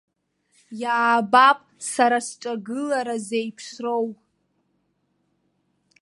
Иаабап сара сҿагылара зеиԥшроу!